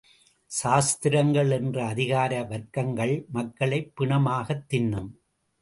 சாத்திரங்கள் என்ற அதிகார வர்க்கங்கள் மக்களைப் பிணமாகத் தின்னும்!